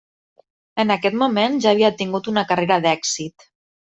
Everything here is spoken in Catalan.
En aquest moment ja havia tingut una carrera d'èxit.